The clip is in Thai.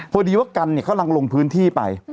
พอดีว่ากันกำลังลงพื้นที่ไป